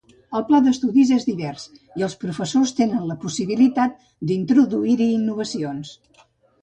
El pla d'estudis és divers, i els professors tenen la possibilitat d'introduir-hi innovacions.